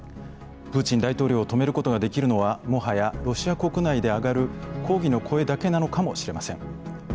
プーチン大統領を止めることができるのはもはやロシア国内で上がる抗議の声だけなのかもしれません。